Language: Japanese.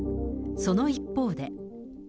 その一方で。